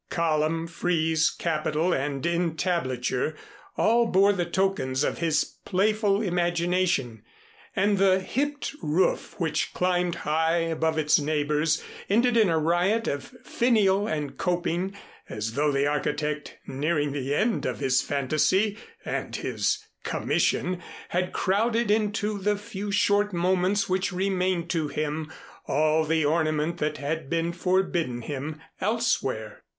Column, frieze, capital and entablature, all bore the tokens of his playful imagination, and the hipped roof which climbed high above its neighbors, ended in a riot of finial and coping, as though the architect nearing the end of his phantasy (and his commission) had crowded into the few short moments which remained to him all the ornament that had been forbidden him elsewhere.